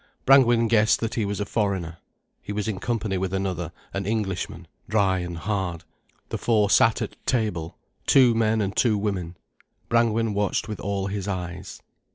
Brangwen guessed that he was a foreigner. He was in company with another, an Englishman, dry and hard. The four sat at table, two men and two women. Brangwen watched with all his eyes.